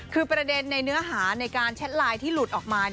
คือประเด็นในเนื้อหาในการแชทไลน์ที่หลุดออกมา